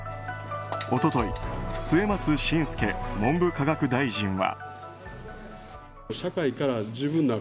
一昨日末松信介文部科学大臣は。